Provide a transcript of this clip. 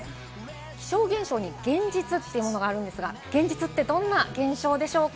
気象現象に幻日というものがあるんですが、幻日ってどんな現象でしょうか？